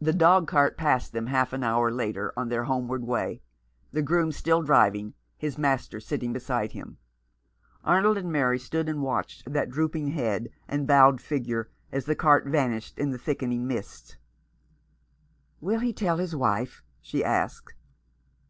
The dog cart passed them half an hour later on their homeward way, the groom still driving, his master sitting beside him. Arnold and Mary 386 The Enemy and Avenger. stood and watched that drooping head and bowed figure, as the cart vanished in the thickening mist. "Will he tell his wife?" she asked.